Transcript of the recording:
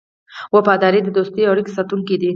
وفاداري د دوستۍ او اړیکو ساتونکی دی.